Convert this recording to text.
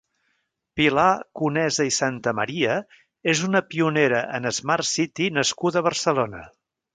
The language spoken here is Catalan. Pilar Conesa i Santamaria és una pionera en Smart City nascuda a Barcelona.